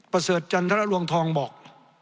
ประเสริฐจันทรลวงทองบอก